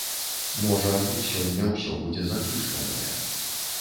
Можа, тут сёння ўсё будзе зачышчанае.